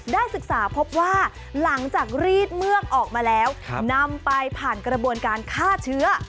ได้ศึกษาพบว่าหลังจากรีดเมือกออกมาแล้วนำไปผ่านกระบวนการฆ่าเชื้อ